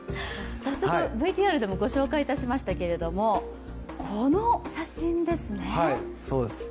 早速、ＶＴＲでも御紹介いたしましたけれども、この写真ですね。